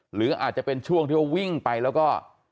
หรืออาจจะเป็นช่วงที่ว่าวิ่งไปแล้วก็